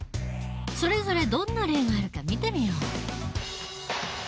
それぞれどんな例があるか見てみよう。